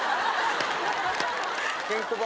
ケンコバ。